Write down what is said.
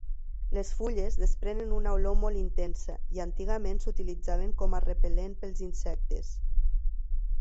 Les fulles desprenen una olor molt intensa i antigament s'utilitzaven com a repel·lent pels insectes.